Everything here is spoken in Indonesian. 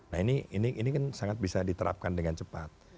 nah ini kan sangat bisa diterapkan dengan cepat